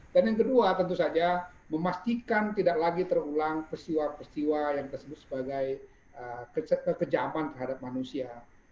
dan yang kedua tentu saja memastikan tidak lagi terulang peristiwa peristiwa yang tersebut sebagai kekejaman terhadap manusia